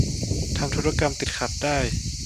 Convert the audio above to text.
ทำธุรกรรมติดขัดได้